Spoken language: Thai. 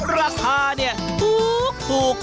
ราคาเนี่ยถูก